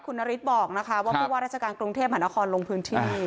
คุณนาริสบอกนะคะว่ารัชกรรมกรุงเทพฯหันครลงพื้นที่